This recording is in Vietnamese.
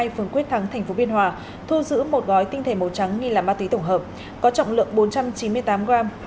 phường quyết thắng tp biên hòa thu giữ một gói tinh thể màu trắng nghi là ma túy tổng hợp có trọng lượng bốn trăm chín mươi tám gram